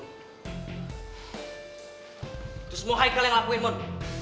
itu semua haikal yang lakuin mon